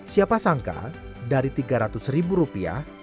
siapa sangka dari tiga ratus ribu rupiah